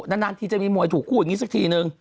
นานทีจะมีมวยถูกคู่อย่างนี้สักทีนึง